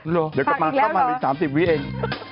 พักอีกแล้วเหรอเดี๋ยวกลับมาเข้ามานิด๓๐วินเอง